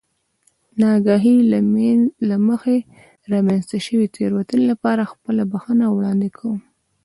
د نااګاهۍ له مخې رامنځته شوې تېروتنې لپاره خپله بښنه وړاندې کوم.